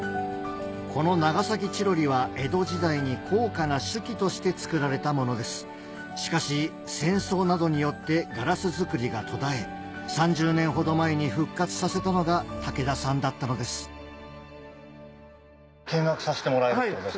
この長崎チロリは江戸時代に高価な酒器として作られたものですしかし戦争などによってガラス作りが途絶え３０年ほど前に復活させたのが竹田さんだったのです見学させてもらえるってこと？